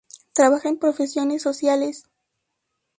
Trabaja en profesiones sociales.